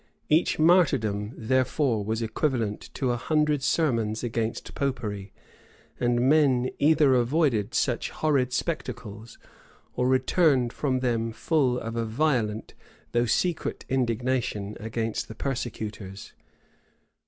Each martyrdom, therefore, was equivalent to a hundred sermons against Popery; and men either avoided such horrid spectacles, or returned from them full of a violent, though secret, indignation against the persecutors.